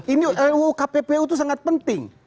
ini ruu kppu itu sangat penting